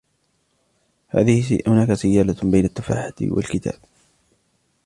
هناك سيالة بين التفاحة و الكتاب.